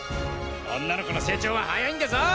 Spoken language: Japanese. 女の子の成長は早いんだぞ！